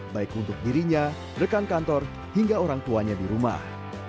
baik untuk dirinya rekan kantor hingga orang tuanya di rumah